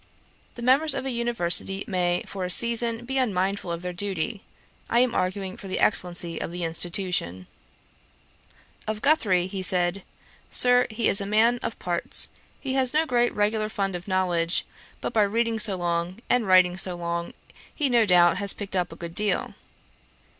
The members of an University may, for a season, be unmindful of their duty. I am arguing for the excellency of the institution.' Of Guthrie, he said, 'Sir, he is a man of parts. He has no great regular fund of knowledge; but by reading so long, and writing so long, he no doubt has picked up a good deal.'